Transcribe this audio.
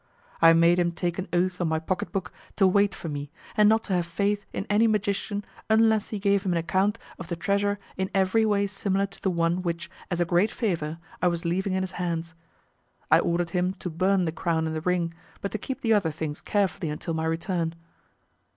I made him take an oath on my pocket book to wait for me, and not to have faith in any magician unless he gave him an account of the treasure in every way similar to the one which, as a great favor, I was leaving in his hands. I ordered him to burn the crown and the ring, but to keep the other things carefully until my return.